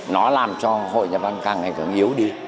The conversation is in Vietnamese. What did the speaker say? nó làm cho hội nhà văn càng ngày càng yếu đi